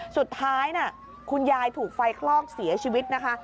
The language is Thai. สุดท้ายคุณยายถูกไฟคลอกเสียชีวิตนะคะ